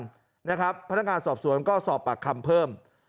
พนักงานสอบสวนก็สอบปากคำเพิ่ม